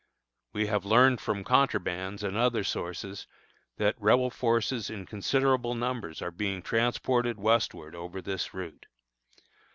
We have learned from contrabands and other sources that Rebel forces in considerable numbers are being transported westward over this route.